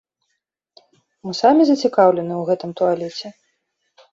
Мы самі зацікаўлены ў гэтым туалеце.